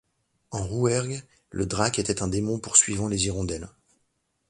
En Rouergue, le Drac était un démon poursuivant les hirondelles.